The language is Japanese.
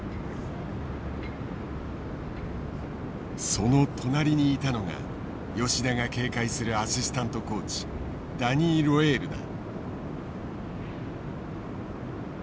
その隣にいたのが吉田が警戒するアシスタントコーチダニー・ロェールだ。